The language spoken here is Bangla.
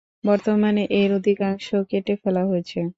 বর্তমানে এর অধিকাংশই কেটে ফেলা হয়েছে।